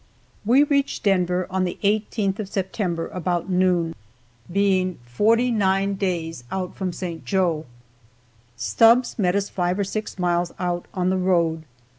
We reached Denver on the 18th of September about noon, being forty nine days out from St. Joe. Stubbs met us five or six miles out on the road.